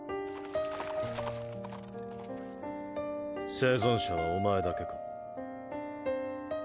生存者はお前だけか。